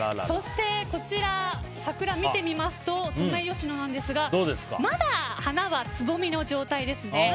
そして、こちら桜を見てみますとソメイヨシノなんですがまだ花はつぼみの状態ですね。